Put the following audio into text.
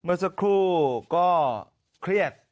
เมื่อสักครู่ก็เครียด